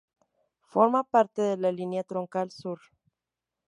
Forma parte de la línea Troncal Sur.